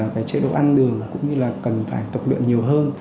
cái chế độ ăn đường cũng như là cần phải tập luyện nhiều hơn